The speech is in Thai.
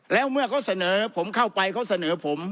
แล้วเมื่อเขาเสนอผมเข้าไปเขาเสนอผม